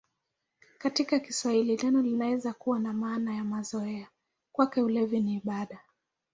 Katika Kiswahili neno linaweza kuwa na maana ya mazoea: "Kwake ulevi ni ibada".